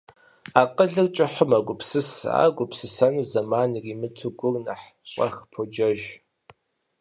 Акъылыр кӀыхьу мэгупсысэ, ар гупсысэну зэман иримыту гур нэхъ щӀэх поджэж.